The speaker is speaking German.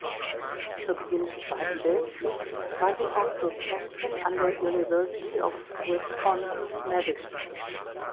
Zu Beginn des Zweiten Weltkriegs war sie auch Dozentin an der University of Wisconsin–Madison.